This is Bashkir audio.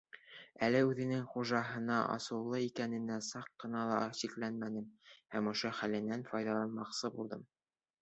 Әле үҙенең хужаһына асыулы икәненә саҡ ҡына ла шикләнмәнем һәм ошо хәленән файҙаланмаҡсы булдым.